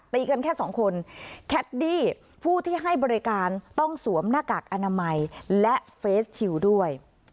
กันแค่สองคนแคดดี้ผู้ที่ให้บริการต้องสวมหน้ากากอนามัยและเฟสชิลด้วย